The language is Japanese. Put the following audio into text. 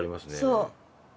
そう。